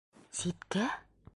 Ситкә?!